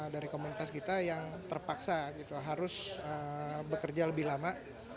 dari komunitas kita yang terpaksa harus bekerja lebih lama